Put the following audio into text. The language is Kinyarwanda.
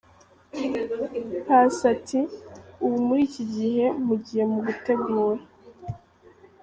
Paccy ati, Ubu muri iki gihe mpugiye mu gutegura.